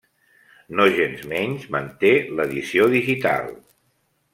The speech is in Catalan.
Nogensmenys manté l'edició digital.